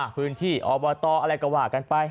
พื้นที่อบตอะไรก็ว่ากันไป